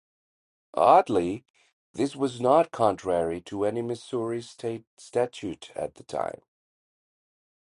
Oddly, this was not contrary to any Missouri statute at the time.